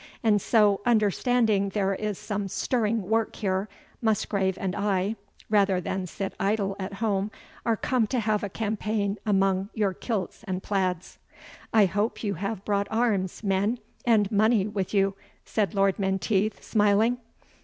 And so, understanding there is some stirring work here, Musgrave and I, rather than sit idle at home, are come to have a campaign among your kilts and plaids." "I hope you have brought arms, men, and money with you," said Lord Menteith, smiling.